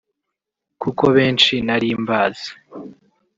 kuko benshi nari mbazi